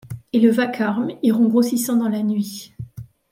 Et le vacarme iront grossissant dans la nuit